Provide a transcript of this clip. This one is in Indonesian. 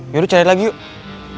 yaudah cari lagi yuk